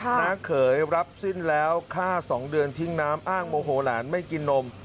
น้าเขยรับสิ้นแล้วฆ่า๒เดือนทิ้งน้ำอ้างโมโหหลานไม่กินนม